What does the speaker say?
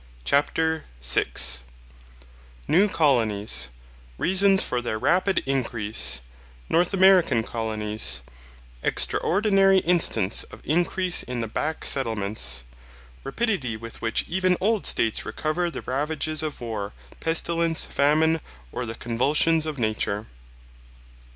CHAPTER 6 New colonies Reasons for their rapid increase North American Colonies Extraordinary instance of increase in the back settlements Rapidity with which even old states recover the ravages of war, pestilence, famine, or the convulsions of nature.